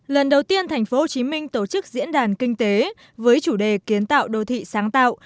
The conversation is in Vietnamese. lần đầu tiên thành phố hồ chí minh tổ chức diễn đàn kinh tế với chủ đề kiến tạo đô thị sáng tạo